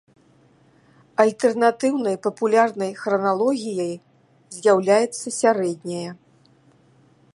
Альтэрнатыўнай папулярнай храналогіяй з'яўляецца сярэдняя.